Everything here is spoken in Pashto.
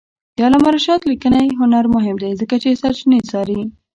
د علامه رشاد لیکنی هنر مهم دی ځکه چې سرچینې څاري.